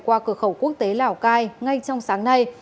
qua cửa khẩu quốc tế lào cai ngay trong sáng nay